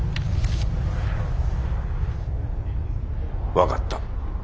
分かった。